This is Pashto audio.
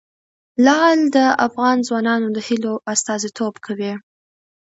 لعل د افغان ځوانانو د هیلو استازیتوب کوي.